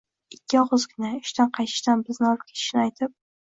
Ikki og`izgina, ishdan qaytishda bizni olib ketishin aytib